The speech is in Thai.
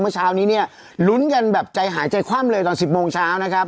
เมื่อเช้านี้เนี่ยลุ้นกันแบบใจหายใจคว่ำเลยตอน๑๐โมงเช้านะครับ